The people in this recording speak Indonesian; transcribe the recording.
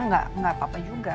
gak apa apa juga